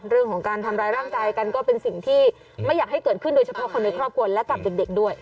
เรื่องของการทำร้ายร่างกายกันก็เป็นสิ่งที่ไม่อยากให้เกิดขึ้นโดยเฉพาะคนในครอบครัวและกับเด็กด้วย